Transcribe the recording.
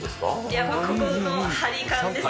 やっぱここの張り感ですね。